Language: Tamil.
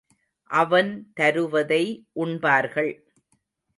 அவன் தருவதை உண்பார்கள்.